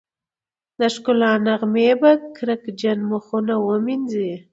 د ښکلا نغمې به کرکجن مخونه ومينځي